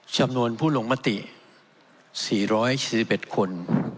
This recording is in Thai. จำนวนผู้ลงมติ๔๔๑คน